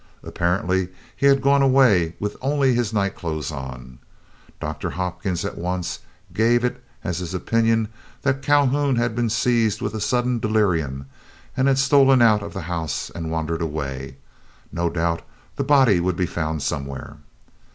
Apparently he had gone away with only his night clothes on. Doctor Hopkins at once gave it as his opinion that Calhoun had been seized with a sudden delirium and had stolen out of the house and wandered away; no doubt the body would be found somewhere.